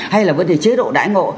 hay là vấn đề chế độ đại ngộ